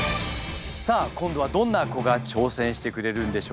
さあ今度はどんな子が挑戦してくれるんでしょうか。